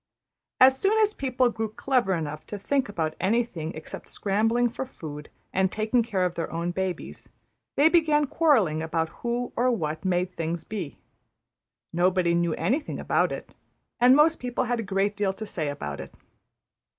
As soon as people grew clever enough to think about anything except scrambling for food and taking care of their own babies, they began quarrelling about Who or What made things be. Nobody knew anything about it; and most people had a great deal to say about it.